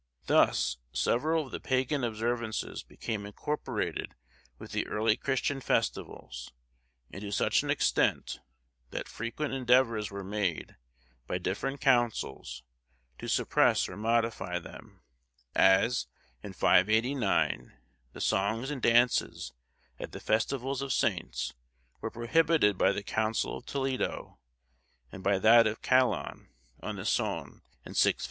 Thus several of the pagan observances became incorporated with the early Christian festivals; and to such an extent, that frequent endeavours were made, by different Councils, to suppress or modify them; as, in 589, the songs and dances, at the festivals of Saints, were prohibited by the Council of Toledo, and by that of Chalon, on the Saone, in 650.